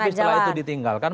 tapi setelah itu ditinggalkan